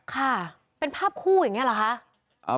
ค่ะเป็นภาพคู่อย่างนี้เหรอคะ